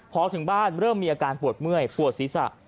พอถึงบ้านเริ่มมีอาการปวดเมื่อยปวดศีรษะ